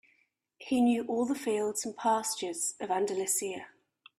He knew all the fields and pastures of Andalusia.